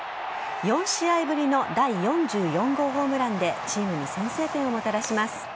４試合ぶりの第４４号ホームランでチームに先制点をもたらします。